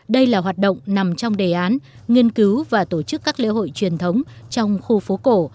đây là hoạt động nằm trong đề án nghiên cứu và tổ chức các lễ hội truyền thống trong khu phố cổ